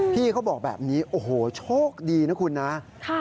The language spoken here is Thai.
พี่เขาบอกแบบนี้โอ้โหโชคดีนะคุณนะ